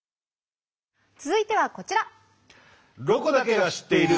続いてはこちら！